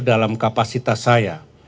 dalam kapasitas saya